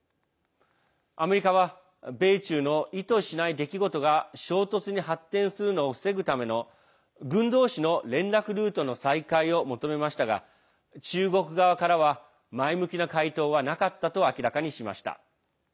アメリカは米中の意図しない出来事が衝突に発展するのを防ぐための軍同士の連絡ルートの再開を求めましたが中国側からは前向きな回答はなかったと明らかにしました。